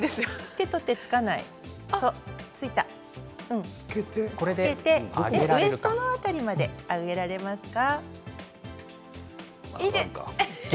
手と手をつけてウエストの辺りまで上げられますか？